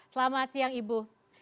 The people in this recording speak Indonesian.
selamat siang ibu